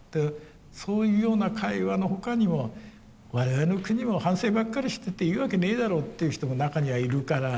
そういうような会話の他にも我々の国も反省ばっかりしてていいわけねえだろって言う人も中にはいるから。